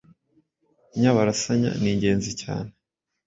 Inyabarasanya ni ingenzi cyane